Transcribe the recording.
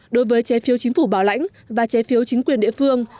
đối với trái phiếu chính phủ bảo lãnh và trái phiếu chính quyền địa phương